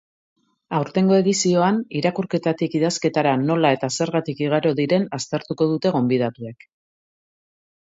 Aurtengo edizioan, irakurketatik idazketara nola eta zergatik igaro diren aztertuko dute gonbidatuek.